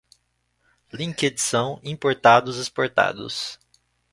linkedição, importados, exportados